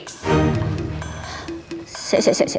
siap siap siap